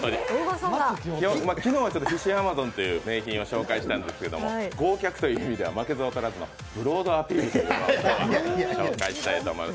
昨日はヒシアマゾンという名ひん馬を紹介したんですけど豪脚という意味では負けず劣らずのブロードアピールを紹介したいと思います。